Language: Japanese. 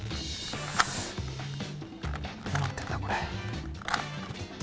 どうなってるんだ、これ。